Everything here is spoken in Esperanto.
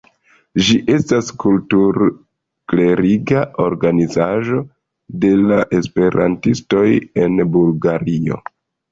Ĝi estas kultur-kleriga organizaĵo de la esperantistoj en Bulgario.